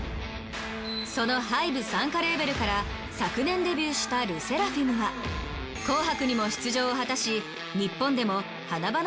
そのＨＹＢＥ傘下レーベルから昨年デビューしたＬＥＳＳＥＲＡＦＩＭは『紅白』にも出場を果たし日本でも華々しい活躍を見せ。